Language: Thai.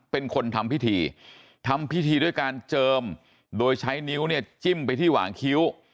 เป็นคนทำพิธีทำพิธีด้วยการเจิมโดยใช้นิ้วเนี่ยจิ้มไปที่หวางคิ้ว